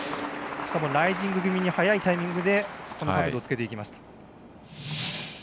しかもライジング気味に早いタイミングで角度をつけていきました。